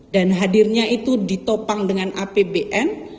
hadirnya itu ditopang dengan apbn